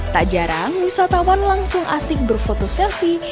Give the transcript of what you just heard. tak jarang wisatawan langsung asik berfoto selfie